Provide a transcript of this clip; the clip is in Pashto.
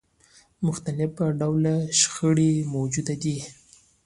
مختلف ډوله شخړې موجودې دي.